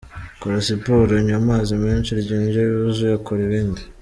Kora siporo, nywa amazi menshi rya indyo yuzuye kora ibindi.